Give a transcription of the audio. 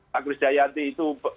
pak kris jayanti itu